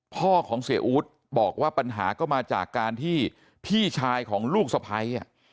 พ่อของเสียอู๊ดบอกว่าปัญหาก็มาจากการที่พี่ชายของลูกสะพ้าย